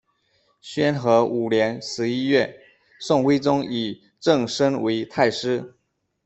宣和五年十一月，宋徽宗以郑绅为太师。